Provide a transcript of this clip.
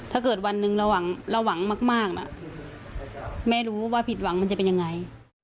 ถ้าเกิดวันหนึ่งเราหวังมากนะแม่รู้ว่าผิดหวังมันจะเป็นยังไง